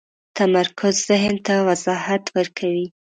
تمرکز ذهن ته وضاحت ورکوي.